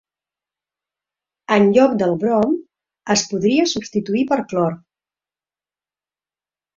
En lloc del brom, es podria substituir per clor.